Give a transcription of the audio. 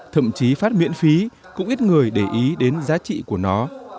thậm chí phát miễn phí cũng ít người để ý đến giá trị của nó